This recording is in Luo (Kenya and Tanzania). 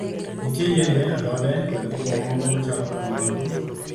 Nitie yiende, alode, kod gik mamoko machalo kamago.